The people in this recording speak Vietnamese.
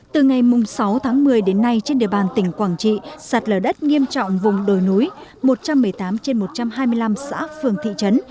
từ ngày sáu tháng một mươi đến nay trên địa bàn tỉnh quảng trị sạt lở đất nghiêm trọng vùng đồi núi một trăm một mươi tám trên một trăm hai mươi năm xã phường thị trấn